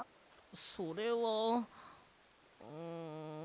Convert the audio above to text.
それはうん。